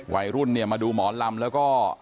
วัยรุ่นมาดูหมอลำแล้วก็